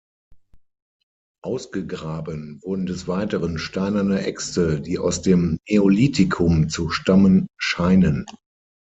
Ausgegraben wurden des Weiteren steinerne Äxte, die aus dem Neolithikum zu stammen scheinen.